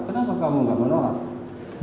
kenapa kamu nggak menolak